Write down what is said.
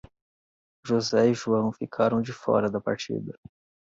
José e João ficaram de fora da partida.